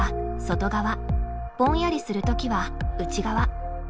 ぼんやりする時は内側。